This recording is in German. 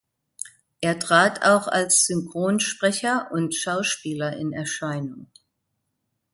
Er trat auch als Synchronsprecher und Schauspieler in Erscheinung.